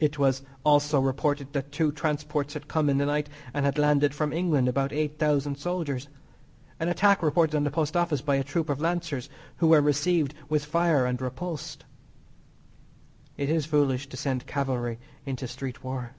It was also reported that two transports had come in the night and had landed from England about 8,000 soldiers. An attack reported on the Post Office by a troop of lancers who were received with fire and repulsed. It is foolish to send cavalry into street war.